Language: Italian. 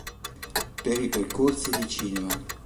Per i "Percorsi di cinema.